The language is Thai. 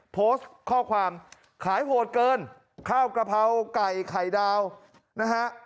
โพสต์ข้อความขายโหดเกินข้าวกระเพราไก่ไข่ดาวนะฮะ